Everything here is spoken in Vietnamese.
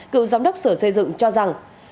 cựu giám đốc sở xây dựng cho rằng